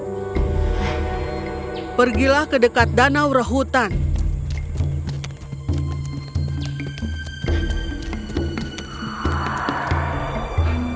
sebagai putri sorry dan pen lia yang akan disuruh pergi dari dirinya